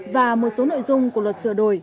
và một số nội dung của luật sửa đổi